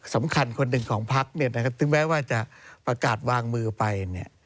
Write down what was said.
สำคัญคนหนึ่งของพักถึงแม้ว่าจะประกาศวางมือไปเนี่ย